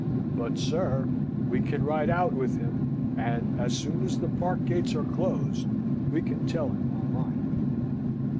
But, sir, we can ride out with him, and, as soon as the park gates are closed, we can tell him our mind."